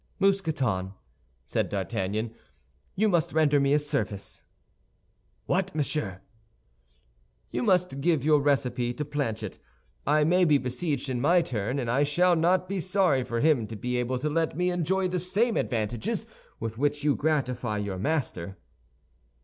"Mousqueton," said D'Artagnan, "you must render me a service." "What, monsieur?" "You must give your recipe to Planchet. I may be besieged in my turn, and I shall not be sorry for him to be able to let me enjoy the same advantages with which you gratify your master."